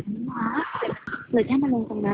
ที่อ๊อฟวัย๒๓ปี